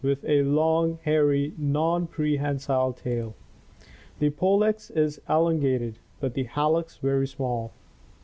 with a long, hairy, non prehensile tail. The pollex is elongated, but the hallux very small.